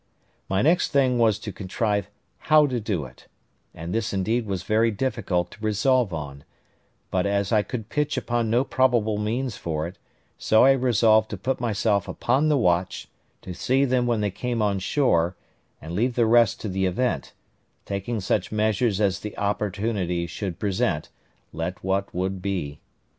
My next thing was to contrive how to do it, and this, indeed, was very difficult to resolve on; but as I could pitch upon no probable means for it, so I resolved to put myself upon the watch, to see them when they came on shore, and leave the rest to the event; taking such measures as the opportunity should present, let what would be.